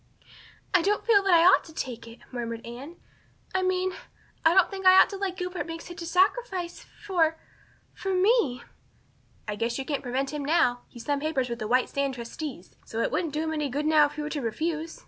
"I don't feel that I ought to take it," murmured Anne. "I mean I don't think I ought to let Gilbert make such a sacrifice for for me." "I guess you can't prevent him now. He's signed papers with the White Sands trustees. So it wouldn't do him any good now if you were to refuse.